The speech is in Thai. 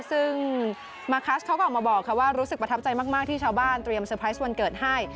ซึ่งมาคัสเขาก็ออกมาบอกว่ารู้สึกประทับใจมากที่ชาวบ้านเตรียมเตอร์ไพรส์วันเกิดให้